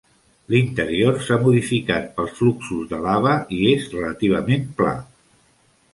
L"interior s"ha modificat pels fluxos de lava i és relativament pla.